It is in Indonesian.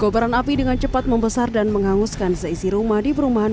kobaran api dengan cepat membesar dan menghanguskan seisi rumah di perumahan